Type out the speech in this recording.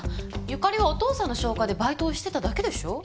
由加里はお父さんの紹介でバイトをしてただけでしょ？